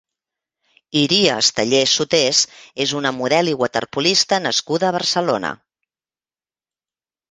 Iria Esteller Sotés és una model i waterpolista nascuda a Barcelona.